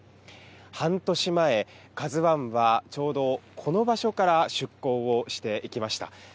半年前、ＫＡＺＵＩはちょうどこの場所から出港をしていきました。